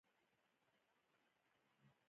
دا مجموعه د ژبې لپاره یوه پېړۍ جوړوي.